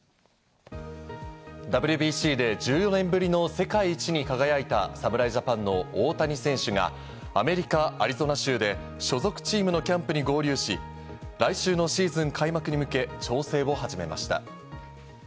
ＷＢＣで１４年ぶりの世界一に輝いた侍ジャパンの大谷選手が、アメリカ・アリゾナ州で所属チームのキャンプに合流し、来週のシーズン開幕に向け調整を始めました。